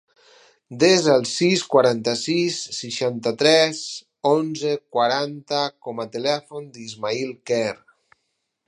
Desa el sis, quaranta-sis, seixanta-tres, onze, quaranta com a telèfon de l'Ismaïl Quer.